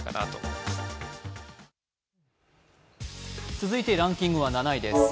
続いてランキングは７位です。